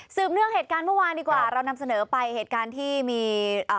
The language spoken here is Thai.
เนื่องเหตุการณ์เมื่อวานดีกว่าเรานำเสนอไปเหตุการณ์ที่มีเอ่อ